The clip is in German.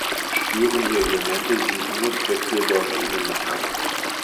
Störende Elemente sind nur Quecksilber und Edelmetalle.